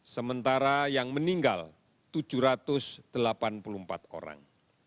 sementara yang meninggal tujuh ratus delapan puluh empat orang